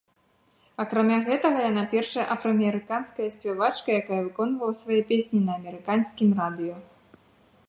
Акрамя гэтага яна першая афраамерыканская спявачка, якая выконвала свае песні на амерыканскім радыё.